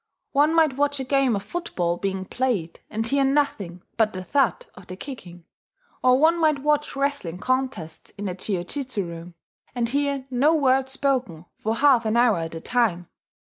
One might watch a game of foot ball being played, and hear nothing but the thud of the kicking; or one might watch wrestling contests in the jiujutsu room, and hear no word spoken for half an hour at a time.